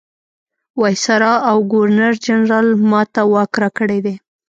وایسرا او ګورنرجنرال ما ته واک راکړی دی.